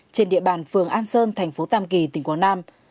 trên địa bàn phường an sơn thành phố tam kỳ tỉnh quảng nam